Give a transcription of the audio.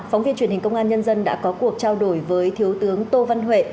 phóng viên truyền hình công an nhân dân đã có cuộc trao đổi với thiếu tướng tô văn huệ